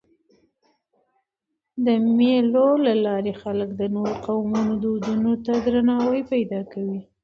د مېلو له لاري خلک د نورو قومونو دودونو ته درناوی پیدا کوي.